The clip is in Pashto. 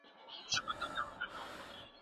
تازه زخمونه مي د خیال په اوښکو مه لمبوه